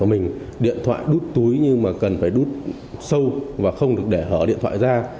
mình điện thoại đút túi nhưng mà cần phải đút sâu và không được để hở điện thoại ra